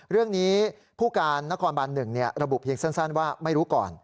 เรื่องนี้ผู้การนครบัน๑ระบุเพียงสั้นว่าไม่รู้ก่อน